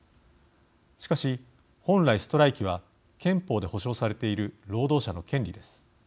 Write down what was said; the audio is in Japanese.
しかし、本来、ストライキは憲法で保障されている労働者の権利です。